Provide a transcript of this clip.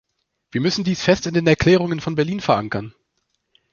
Wir müssen dies fest in den Erklärungen von Berlin verankern.